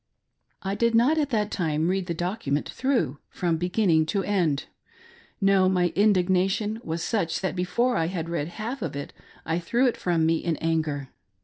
I did not at that time read the document through from beginning to end. No ; my indignation was such that before I had read half of it I threw it from me in anger.